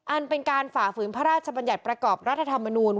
อันเป็นการฝ่าฝืนพระราชบัญญัติประกอบรัฐธรรมนูล